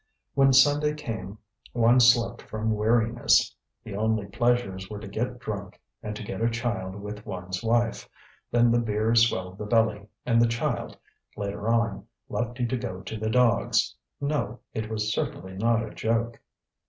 When Sunday came one slept from weariness. The only pleasures were to get drunk and to get a child with one's wife; then the beer swelled the belly, and the child, later on, left you to go to the dogs. No, it was certainly not a joke.